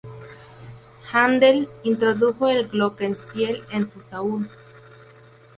Händel introdujo el "glockenspiel" en su "Saúl".